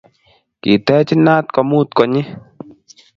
Kiteech inat komuut konyyi